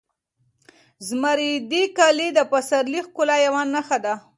زمردي کالي د پسرلي د ښکلا یوه نښه ده.